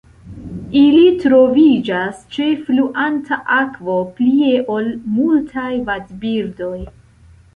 Ili troviĝas ĉe fluanta akvo plie ol multaj vadbirdoj.